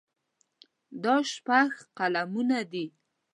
دا شپږ قلمونه دي.